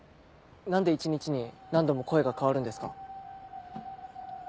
何で一日に何度も声が変わるんですか？